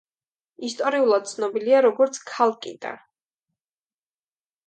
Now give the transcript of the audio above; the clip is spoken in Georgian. ისტორიულად ცნობილია როგორც ქალკიდა.